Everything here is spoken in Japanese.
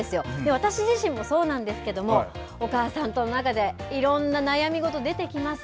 私自身もそうなんですけども、お母さんとの中で、いろんな悩み事、出てきます。